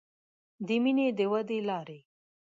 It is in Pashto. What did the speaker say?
د مینې د ودې لارې